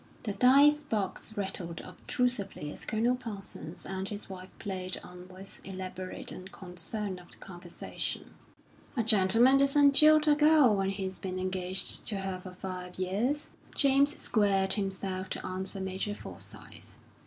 The dice box rattled obtrusively as Colonel Parsons and his wife played on with elaborate unconcern of the conversation. "A gentleman doesn't jilt a girl when he's been engaged to her for five years." James squared himself to answer Major Forsyth.